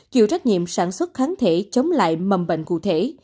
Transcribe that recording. chịu trách nhiệm sản xuất kháng thể chống lại mầm bệnh cụ thể